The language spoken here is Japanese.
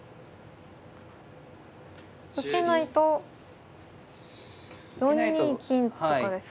受けないと４二金とかですか。